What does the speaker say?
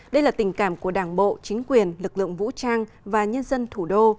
đây là tình cảm của đảng bộ chính quyền lực lượng vũ trang và nhân dân thủ đô